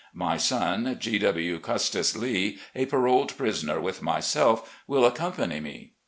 My son, G. W. Custis Lee, a paroled prisoner with myself, will accom pany me.